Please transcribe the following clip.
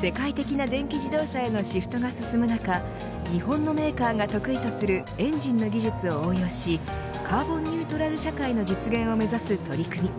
世界的な電気自動車へのシフトが進む中日本のメーカーが得意とするエンジンの技術を応用しカーボンニュートラル社会の実現を目指す取り組み。